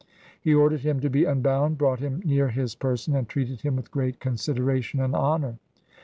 He ordered him to be unbound, brought him near his person, and treated him with great consideration and honor.